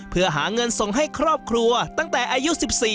เพื่อหาเงินส่งให้ครอบครัวตั้งแต่อายุ๑๔